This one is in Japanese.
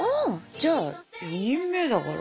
じゃあ４人目だから。